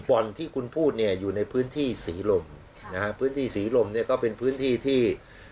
บ่อนที่คุณพูดอยู่ในพื้นที่ศรีลมพื้นที่ศรีลมก็เป็นพื้นที่ที่